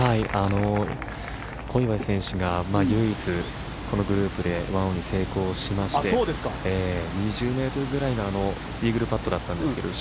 小祝選手が唯一このグループで１オンに成功しまして２０ｍぐらいのイーグルパットだったんですが。